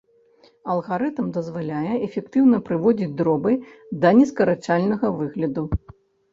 Алгарытм дазваляе эфектыўна прыводзіць дробы да нескарачальнага выгляду.